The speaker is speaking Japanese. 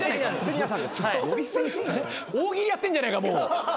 大喜利やってんじゃねえかもう。